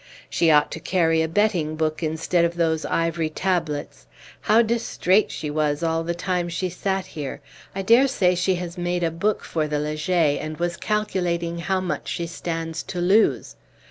"She ought to carry a betting book instead of those ivory tablets. How distraite she was all the time she sat here! I dare say she has made a book for the Leger, and was calculating how much she stands to lose.